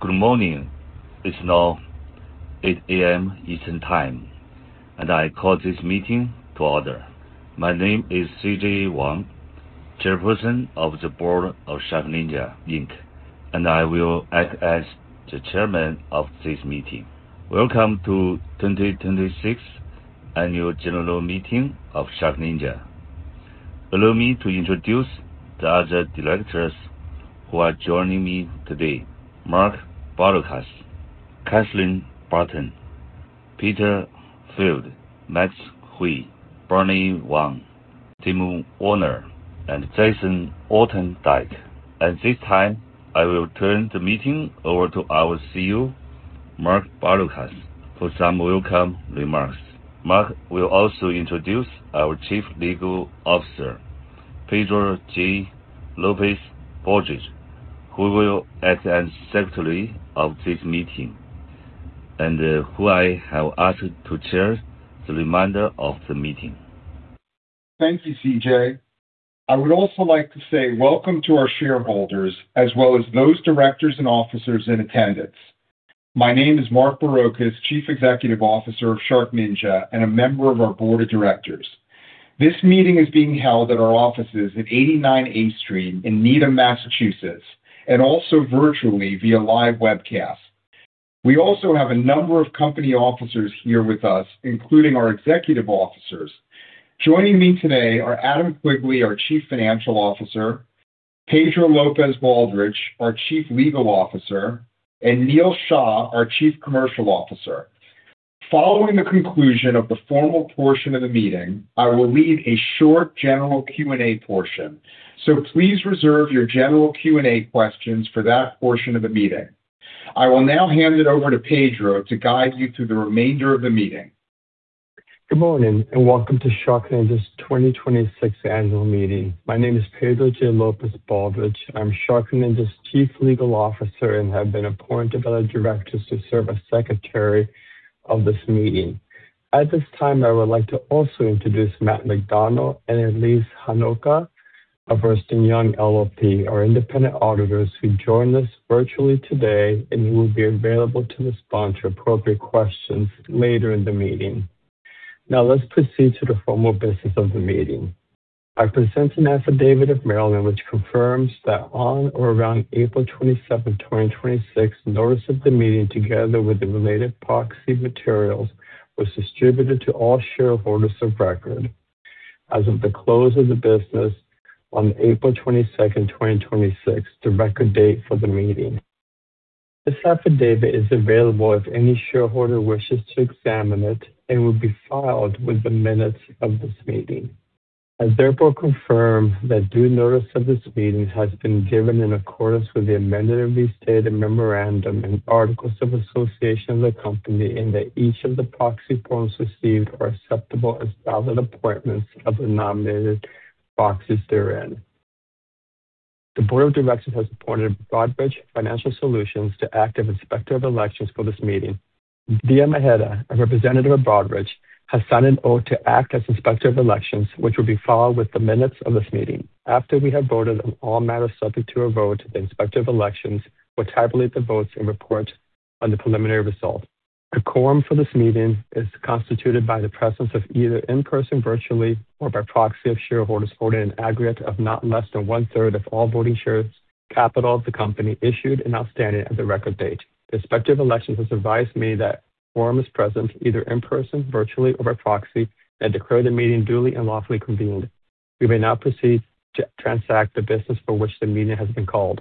Good morning. It's now 8:00 A.M. Eastern Time. I call this meeting to order. My name is CJ Wang, Chairperson of the Board of SharkNinja Inc., and I will act as the Chairman of this meeting. Welcome to 2026 Annual General Meeting of SharkNinja. Allow me to introduce the other directors who are joining me today. Mark Barrocas, Kathryn Barton, Peter Feld, Max Hui, Bernie Huang, Timo Ohnser, and Jason Wortendyke. At this time, I will turn the meeting over to our CEO, Mark Barrocas, for some welcome remarks. Mark will also introduce our Chief Legal Officer, Pedro J. Lopez-Baldrich, who will act as Secretary of this meeting and who I have asked to chair the remainder of the meeting. Thank you, CJ. I would also like to say welcome to our shareholders, as well as those directors and officers in attendance. My name is Mark Barrocas, Chief Executive Officer of SharkNinja and a member of our Board of Directors. This meeting is being held at our offices at 89 A Street in Needham, Massachusetts, also virtually via live webcast. We also have a number of company officers here with us, including our executive officers. Joining me today are Adam Quigley, our Chief Financial Officer, Pedro J. Lopez-Baldrich, our Chief Legal Officer, and Neil Shah, our Chief Commercial Officer. Following the conclusion of the formal portion of the meeting, I will lead a short general Q&A portion. Please reserve your general Q&A questions for that portion of the meeting. I will now hand it over to Pedro to guide you through the remainder of the meeting. Good morning. Welcome to SharkNinja's 2026 Annual Meeting. My name is Pedro J. Lopez-Baldrich. I'm SharkNinja's Chief Legal Officer and have been appointed by the directors to serve as Secretary of this meeting. At this time, I would like to also introduce Matt McDonald and Elise Hanoka of Ernst & Young LLP, our independent auditors who join us virtually today and who will be available to respond to appropriate questions later in the meeting. Let's proceed to the formal business of the meeting. I present an affidavit of mailing which confirms that on or around April 27, 2026, notice of the meeting, together with the related proxy materials, was distributed to all shareholders of record as of the close of the business on April 22, 2026, the record date for the meeting. This affidavit is available if any shareholder wishes to examine it and will be filed with the minutes of this meeting. I therefore confirm that due notice of this meeting has been given in accordance with the amended and restated memorandum and articles of association of the company, and that each of the proxy forms received are acceptable as valid appointments of the nominated proxies therein. The Board of Directors has appointed Broadridge Financial Solutions to act as Inspector of Elections for this meeting. Dia Maheda, a representative of Broadridge, has signed an oath to act as Inspector of Elections, which will be filed with the minutes of this meeting. After we have voted on all matters subject to a vote, the Inspector of Elections will tabulate the votes and report on the preliminary results. The quorum for this meeting is constituted by the presence of either in person, virtually, or by proxy of shareholders holding an aggregate of not less than one-third of all voting shares, capital of the company issued and outstanding as of the record date. The Inspector of Elections has advised me that a quorum is present, either in person, virtually or by proxy. I declare the meeting duly and lawfully convened. We may now proceed to transact the business for which the meeting has been called.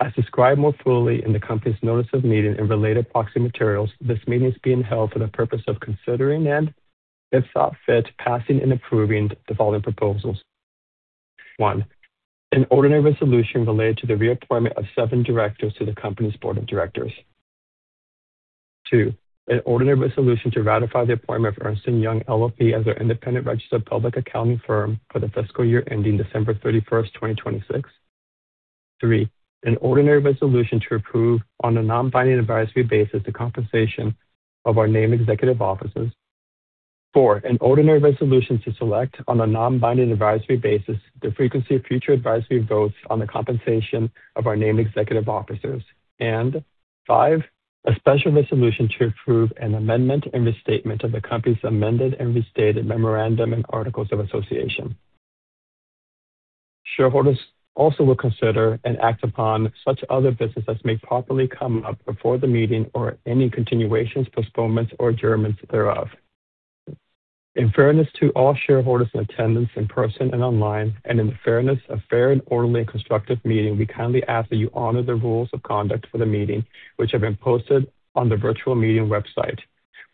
As described more fully in the company's notice of meeting and related proxy materials, this meeting is being held for the purpose of considering and, if thought fit, passing and approving the following proposals. One, an ordinary resolution related to the reappointment of seven directors to the company's board of directors. Two, an ordinary resolution to ratify the appointment of Ernst & Young LLP as their independent registered public accounting firm for the fiscal year ending December 31st, 2026. Three, an ordinary resolution to approve, on a non-binding advisory basis, the compensation of our named executive officers. Four, an ordinary resolution to select, on a non-binding advisory basis, the frequency of future advisory votes on the compensation of our named executive officers. Five, a special resolution to approve an amendment and restatement of the company's amended and restated memorandum and articles of association. Shareholders also will consider and act upon such other business as may properly come up before the meeting or any continuations, postponements, or adjournments thereof. In fairness to all shareholders in attendance in person and online, and in the fairness of fair and orderly and constructive meeting, we kindly ask that you honor the rules of conduct for the meeting, which have been posted on the virtual meeting website.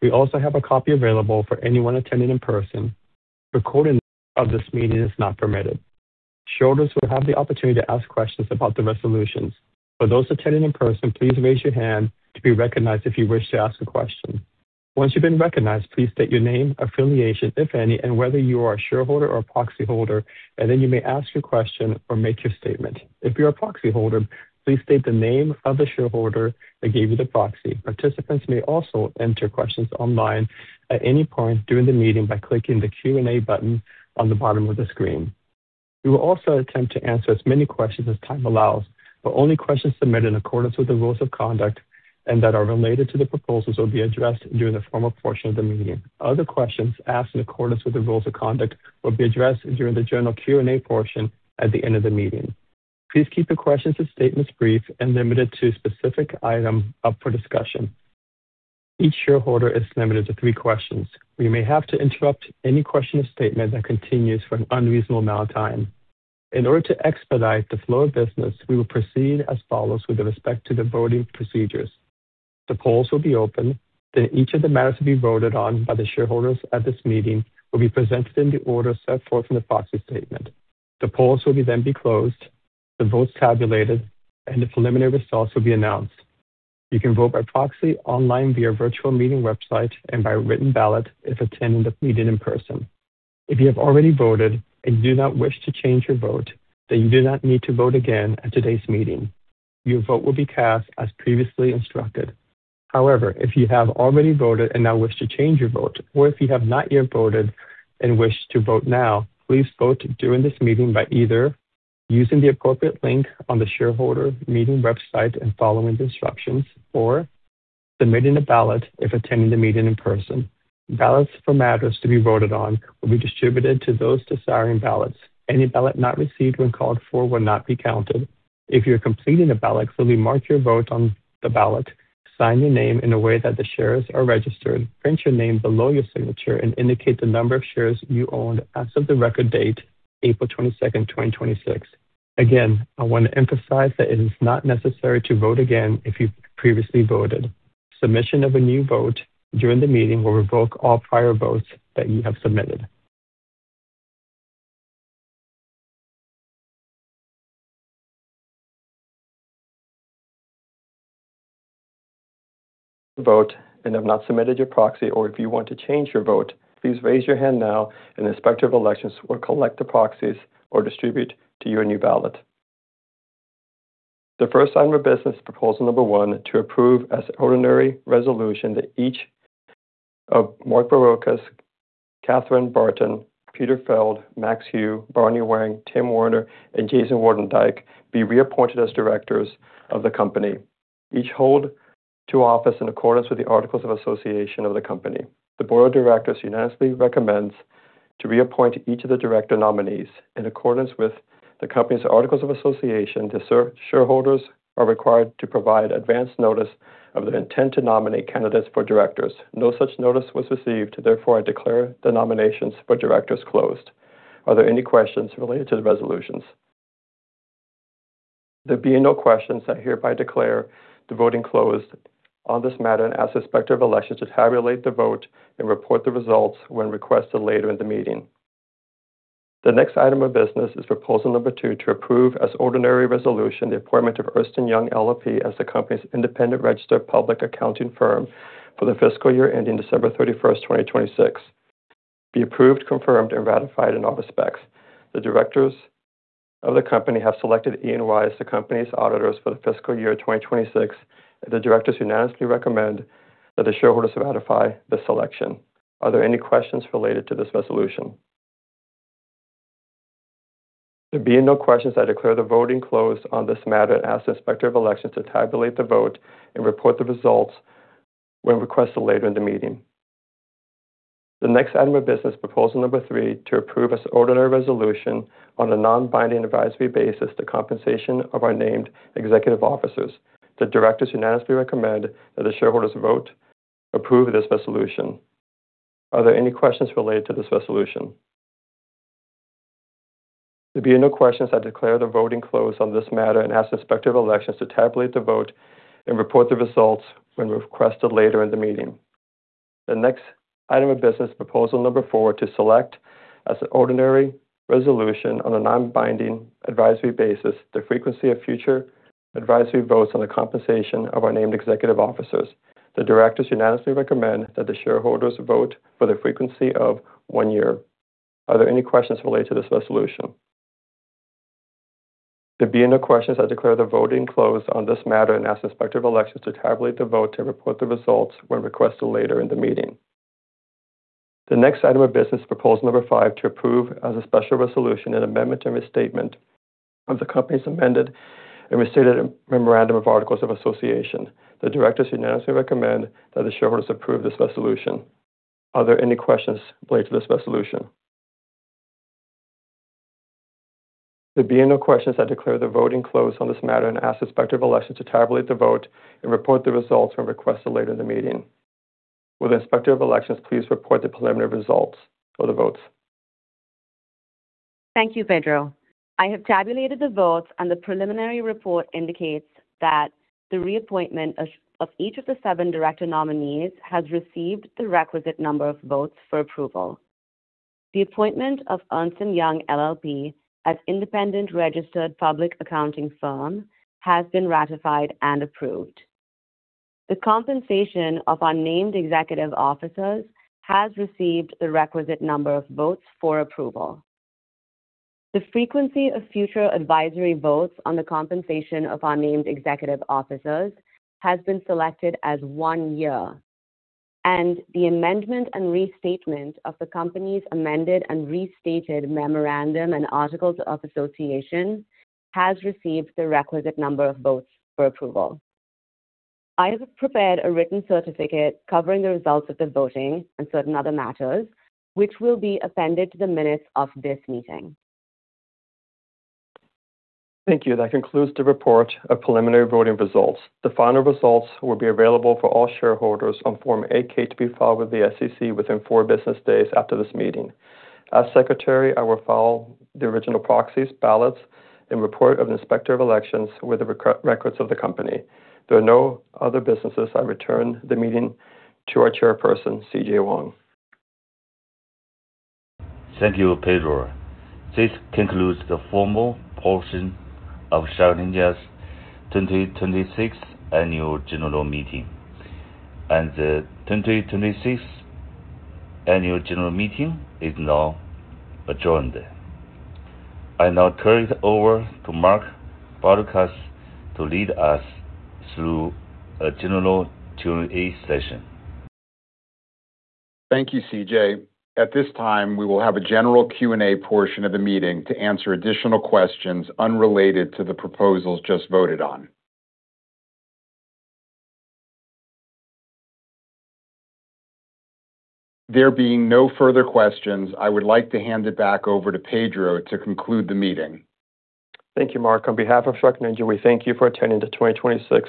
We also have a copy available for anyone attending in person. Recording of this meeting is not permitted. Shareholders will have the opportunity to ask questions about the resolutions. For those attending in person, please raise your hand to be recognized if you wish to ask a question. Once you've been recognized, please state your name, affiliation, if any, and whether you are a shareholder or proxy holder. Then you may ask your question or make your statement. If you're a proxy holder, please state the name of the shareholder that gave you the proxy. Participants may also enter questions online at any point during the meeting by clicking the Q&A button on the bottom of the screen. We will also attempt to answer as many questions as time allows, but only questions submitted in accordance with the rules of conduct and that are related to the proposals will be addressed during the formal portion of the meeting. Other questions asked in accordance with the rules of conduct will be addressed during the general Q&A portion at the end of the meeting. Please keep your questions and statements brief and limited to a specific item up for discussion. Each shareholder is limited to three questions. We may have to interrupt any question or statement that continues for an unreasonable amount of time. In order to expedite the flow of business, we will proceed as follows with respect to the voting procedures. The polls will be open, each of the matters to be voted on by the shareholders at this meeting will be presented in the order set forth in the proxy statement. The polls will be closed, the votes tabulated, and the preliminary results will be announced. You can vote by proxy online via virtual meeting website and by written ballot if attending the meeting in person. If you have already voted and do not wish to change your vote, you do not need to vote again at today's meeting. Your vote will be cast as previously instructed. If you have already voted and now wish to change your vote, or if you have not yet voted and wish to vote now, please vote during this meeting by either using the appropriate link on the shareholder meeting website and following the instructions, or submitting a ballot if attending the meeting in person. Ballots for matters to be voted on will be distributed to those desiring ballots. Any ballot not received when called for will not be counted. If you're completing a ballot, fully mark your vote on the ballot, sign your name in a way that the shares are registered, print your name below your signature, and indicate the number of shares you owned as of the record date, April 22nd, 2026. Again, I want to emphasize that it is not necessary to vote again if you previously voted. Submission of a new vote during the meeting will revoke all prior votes that you have submitted. Vote and have not submitted your proxy, or if you want to change your vote, please raise your hand now, an inspector of elections will collect the proxies or distribute to you a new ballot. The first item of business, proposal number one, to approve as ordinary resolution that each of Mark Barrocas, Kathryn Barton, Peter Feld, Max Hui, Xuning Wang, Tim Warner, and Jason Wortendyke be reappointed as directors of the company. Each hold to office in accordance with the articles of association of the company. The board of directors unanimously recommends to reappoint each of the director nominees in accordance with the company's articles of association to serve. Shareholders are required to provide advance notice of their intent to nominate candidates for directors. No such notice was received. I declare the nominations for directors closed. Are there any questions related to the resolutions? There being no questions, I hereby declare the voting closed on this matter and ask the inspector of elections to tabulate the vote and report the results when requested later in the meeting. The next item of business is proposal number two, to approve as ordinary resolution the appointment of Ernst & Young LLP as the company's independent registered public accounting firm for the fiscal year ending December 31st, 2026. Be approved, confirmed, and ratified in all respects. The directors of the company have selected EY as the company's auditors for the fiscal year 2026. The directors unanimously recommend that the shareholders ratify the selection. Are there any questions related to this resolution? There being no questions, I declare the voting closed on this matter and ask the inspector of elections to tabulate the vote and report the results when requested later in the meeting. The next item of business, proposal number three, to approve as ordinary resolution on a non-binding advisory basis the compensation of our named executive officers. The directors unanimously recommend that the shareholders vote, approve this resolution. Are there any questions related to this resolution? There being no questions, I declare the voting closed on this matter and ask the inspector of elections to tabulate the vote and report the results when requested later in the meeting. The next item of business, proposal number four, to select as ordinary resolution on a non-binding advisory basis the frequency of future advisory votes on the compensation of our named executive officers. The directors unanimously recommend that the shareholders vote for the frequency of one year. Are there any questions related to this resolution? There being no questions, I declare the voting closed on this matter and ask the inspector of elections to tabulate the vote and report the results when requested later in the meeting. The next item of business, proposal number five, to approve as a special resolution an amendment and restatement of the company's amended and restated memorandum of articles of association. The directors unanimously recommend that the shareholders approve this resolution. Are there any questions related to this resolution? There being no questions, I declare the voting closed on this matter and ask the inspector of elections to tabulate the vote and report the results when requested later in the meeting. Will the inspector of elections please report the preliminary results for the votes? Thank you, Pedro. I have tabulated the votes, and the preliminary report indicates that the reappointment of each of the seven director nominees has received the requisite number of votes for approval. The appointment of Ernst & Young LLP as independent registered public accounting firm has been ratified and approved. The compensation of our named executive officers has received the requisite number of votes for approval. The frequency of future advisory votes on the compensation of our named executive officers has been selected as one year. The amendment and restatement of the company's amended and restated memorandum and articles of association has received the requisite number of votes for approval. I have prepared a written certificate covering the results of the voting and certain other matters, which will be appended to the minutes of this meeting. Thank you. That concludes the report of preliminary voting results. The final results will be available for all shareholders on Form 8-K to be filed with the SEC within four business days after this meeting. As secretary, I will file the original proxies, ballots, and report of the Inspector of Elections with the records of the company. If there are no other businesses, I return the meeting to our chairperson, CJ Wang. Thank you, Pedro. This concludes the formal portion of SharkNinja's 2026 Annual General Meeting. The 2026 Annual General Meeting is now adjourned. I now turn it over to Mark Barrocas to lead us through a general Q&A session. Thank you, CJ. At this time, we will have a general Q&A portion of the meeting to answer additional questions unrelated to the proposals just voted on. There being no further questions, I would like to hand it back over to Pedro to conclude the meeting. Thank you, Mark. On behalf of SharkNinja, we thank you for attending the 2026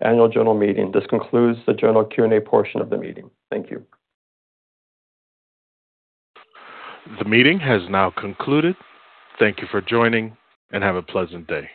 Annual General Meeting. This concludes the general Q&A portion of the meeting. Thank you. The meeting has now concluded. Thank you for joining, and have a pleasant day.